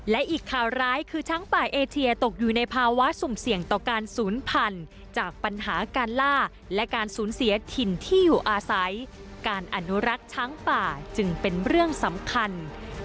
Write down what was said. และอีกข่าวร้ายคือช้างป่าเอเทียตกอยู่ในภาวะสุ่มเสี่ยงต่อการศูนย์พันธุ์จากปัญหาการล่าและการสูญเสียถิ่นที่อยู่อาศัยการอนุรักษ์ช้างป่าจึงเป็นเรื่องสำคัญ